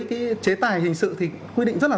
cái chế tài hình sự thì quy định rất là